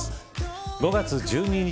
５月１２日